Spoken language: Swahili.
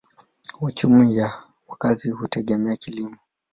Uchumi ya wakazi hutegemea kilimo.